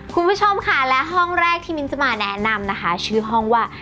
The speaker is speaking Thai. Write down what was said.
คุณผู้ชมค่ะและห้องแรกที่มิ้นจะมาแนะนำนะคะชื่อห้องว่า